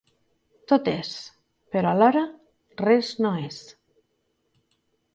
Tot és, però, alhora, res no és.